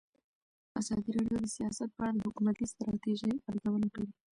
ازادي راډیو د سیاست په اړه د حکومتي ستراتیژۍ ارزونه کړې.